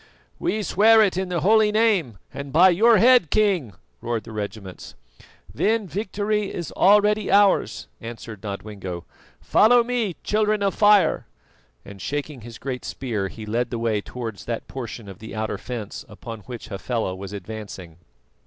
"We swear it in the holy Name, and by your head, King," roared the regiments. "Then victory is already ours," answered Nodwengo. "Follow me, Children of Fire!" and shaking his great spear, he led the way towards that portion of the outer fence upon which Hafela was advancing.